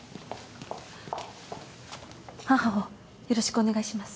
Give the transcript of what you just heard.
母をよろしくお願いします。